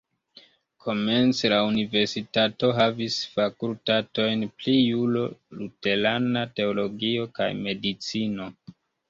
Komence la universitato havis fakultatojn pri juro, luterana teologio kaj medicino.